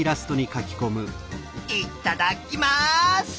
いっただっきます！